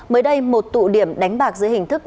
mới đây một tụ điểm đánh bạc dưới hình thức